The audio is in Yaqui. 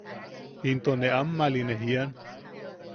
Into ne amma’ali ne jian.